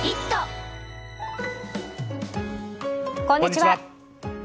こんにちは。